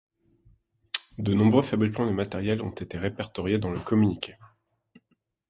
De nombreux fabricants de matériel ont été répertoriés dans le communiqué.